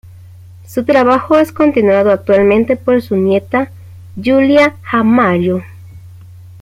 Su trabajo es continuado actualmente por su nieta Júlia Ramalho.